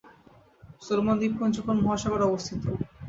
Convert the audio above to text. Solomon দ্বীপপুঞ্জ কোন মহাসাগরে অবস্থিত?